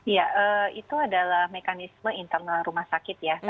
ya itu adalah mekanisme internal rumah sakit ya